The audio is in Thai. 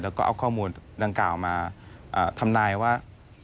แล้วก็เอาข้อมูลดังกล่าวมาทำนายว่า